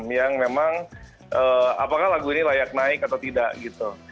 yang memang apakah lagu ini layak naik atau tidak gitu